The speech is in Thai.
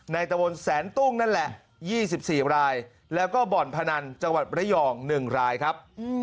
ตะวนแสนตุ้งนั่นแหละ๒๔รายแล้วก็บ่อนพนันจังหวัดระยอง๑รายครับ